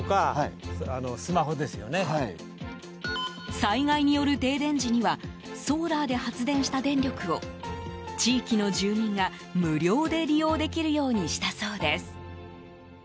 災害による停電時にはソーラーで発電した電力を地域の住民が無料で利用できるようにしたそうです。